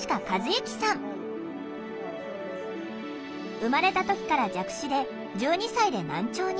生まれた時から弱視で１２歳で難聴に。